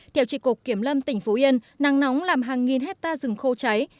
theo trị cục kiểm lâm tỉnh phú yên nắng nóng làm hàng nghìn hectare rừng khô cháy